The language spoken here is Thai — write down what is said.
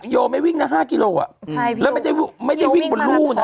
โยไม่วิ่งอ่ะห้ากิโลอ่ะใช่แล้วไม่ได้ไม่ได้วิ่งบนรุ่นอ่ะ